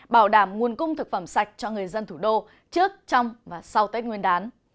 bảo đảm nguồn cung thực phẩm sạch cho người dân thủ đô trước trong và sau tết nguyên đán